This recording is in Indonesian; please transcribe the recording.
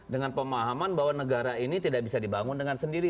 dengan pemahaman bahwa negara ini tidak bisa dibangun dengan sendiri